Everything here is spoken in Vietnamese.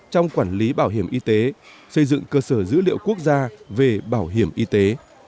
trong quản lý bảo hiểm y tế xây dựng cơ sở dữ liệu quốc gia về bảo hiểm y tế